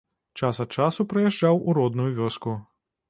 Час ад часу прыязджаў у родную вёску.